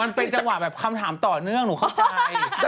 มันเป็นจังหวะแบบคำถามต่อเนื่องหนูเข้าใจ